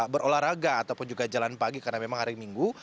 berolahraga ataupun juga jalan pagi karena memang hari minggu